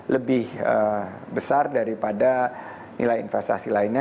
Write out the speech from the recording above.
lebih besar daripada nilai investasi lainnya